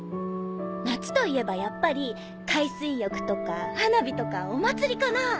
夏と言えばやっぱり海水浴とか花火とかお祭りかなぁ。